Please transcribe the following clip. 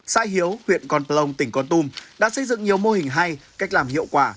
xã hiếu huyện con plông tỉnh con tôm đã xây dựng nhiều mô hình hay cách làm hiệu quả